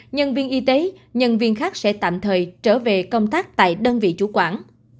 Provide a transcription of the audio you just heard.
nhân viên y tế nhân viên khác sẽ tạm thời trở về công tác tại đơn vị chủ quản